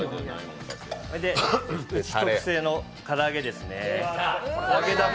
うち特製のから揚げですね。